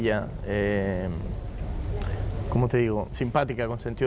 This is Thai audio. แล้วก็ชอบอินโภโลเฮีย